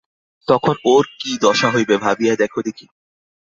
তখন ওর কী দশা হইবে ভাবিয়া দেখো দেখি।